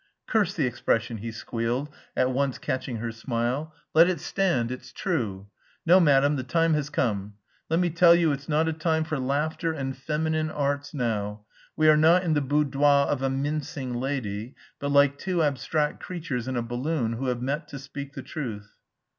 "Curse the expression," he squealed, at once catching her smile, "let it stand, it's true.... No, madam, the time has come; let me tell you it's not a time for laughter and feminine arts now. We are not in the boudoir of a mincing lady, but like two abstract creatures in a balloon who have met to speak the truth."